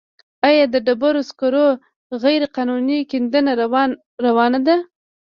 آیا د ډبرو سکرو غیرقانوني کیندنه روانه ده؟